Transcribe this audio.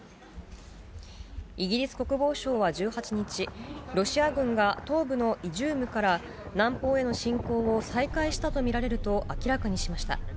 イギリス国防省は１８日、ロシア軍が東部のイジュームから、南方への侵攻を再開したと見られると明らかにしました。